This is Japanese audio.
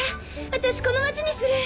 私この町にする。